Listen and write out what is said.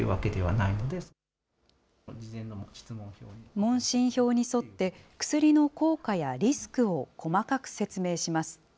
問診票に沿って、薬の効果やリスクを細かく説明します。